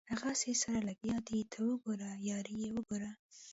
هغسې سره لګیا دي ته وګوره یاري یې وګوره.